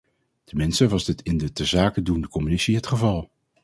Tenminste was dit in de ter zake doende commissie het geval.